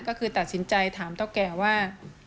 ก็คือตัดสินใจถามเท่าแก่ว่า